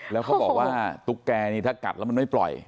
แล้วเขาบอกว่าตุ๊กแกนี่ถ้ากัดแล้วมันไม่ปล่อย